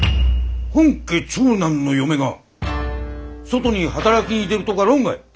本家長男の嫁が外に働きに出るとか論外。